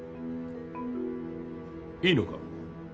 いいのか。